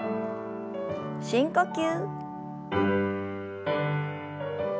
深呼吸。